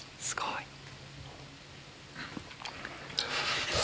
すごい！